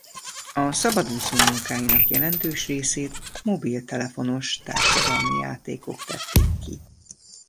A szabadúszó munkáinak jelentős részét mobiltelefonos társadalmi játékok tették ki.